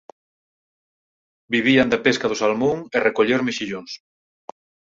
Vivían da pesca do salmón e recoller mexillóns.